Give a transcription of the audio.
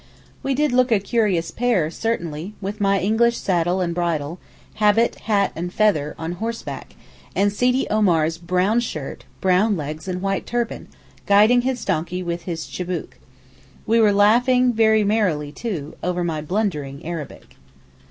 We did look a curious pair, certainly, with my English saddle and bridle, habit, hat and feather, on horseback, and Sidi Omar's brown shirt, brown legs and white turban, guiding his donkey with his chibouque. We were laughing very merrily, too, over my blundering Arabic.